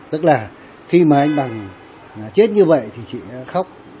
tức là khi mà anh bằng chết như vậy thì chị khóc